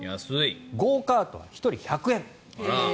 ゴーカートは１人１００円。